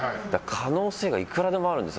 可能性がいくらでもあるんです